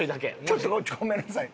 ちょっとごめんなさい。